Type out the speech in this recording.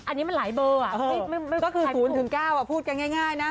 อันนี้มันหลายเบอร์ก็คือ๐๙พูดกันง่ายนะ